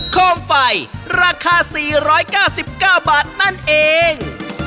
โคมไฟราคา๔๙๙บาทนั่นเอง